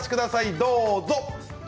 どうぞ。